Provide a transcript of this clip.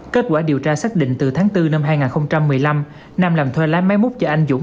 kết quả điều tra xác định từ tháng bốn năm hai nghìn một mươi năm nam làm thuê lái máy múc cho anh dũng